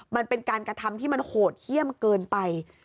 มันเป็นการกระทำที่มันโหดเยี่ยมเกินไป